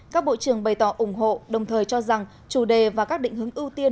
các bộ trưởng bày tỏ ủng hộ đồng thời cho rằng chủ đề và các định hướng ưu tiên